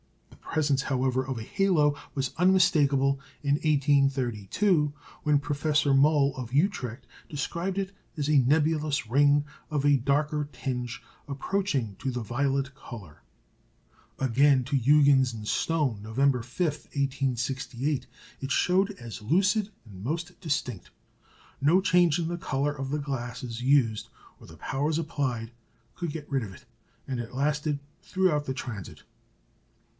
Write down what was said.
The presence, however, of a "halo" was unmistakable in 1832, when Professor Moll, of Utrecht, described it as a "nebulous ring of a darker tinge approaching to the violet colour." Again, to Huggins and Stone, November 5, 1868, it showed as lucid and most distinct. No change in the colour of the glasses used, or the powers applied, could get rid of it, and it lasted throughout the transit.